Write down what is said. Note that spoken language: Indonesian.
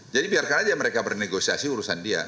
jadi biarkan aja mereka bernegosiasi urusan dia